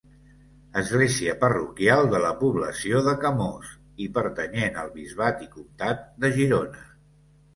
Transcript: Església parroquial de la població de Camós i pertanyent al bisbat i comtat de Girona.